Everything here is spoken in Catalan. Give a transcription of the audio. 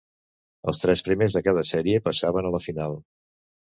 Els tres primers de cada sèrie passaven a la final.